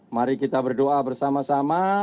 mari kita berdoa bersama sama